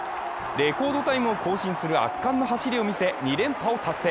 レコードタイムを更新する圧巻の走りを見せ２連覇を達成。